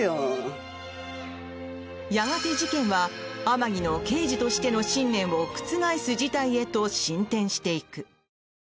やがて、事件は天樹の刑事としての信念を覆す事態へと進展していく。